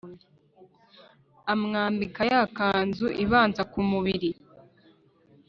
Amwambika ya kanzu ibanza ku mubiri